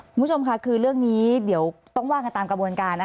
คุณผู้ชมค่ะคือเรื่องนี้เดี๋ยวต้องว่ากันตามกระบวนการ